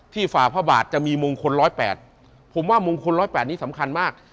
ฝ่าพระบาทจะมีมงคล๑๐๘ผมว่ามงคล๑๐๘นี้สำคัญมาก